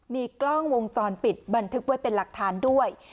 มีกล้องวงจรปิดบันทึกไว้เป็นหลักฐานด้วย